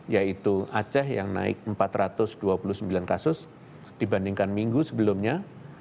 yaitu aceh yang naik empat ratus dua puluh sembilan kasus dibandingkan minggu sebelumnya